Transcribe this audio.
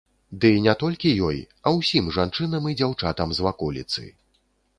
Ды не толькі ёй, а ўсім жанчынам і дзяўчатам з ваколіцы.